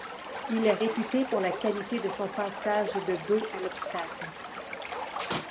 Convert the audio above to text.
Il est réputé pour la qualité de son passage de dos à l'obstacle.